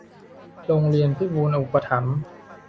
โรงเรียนพิบูลย์อุปถัมภ์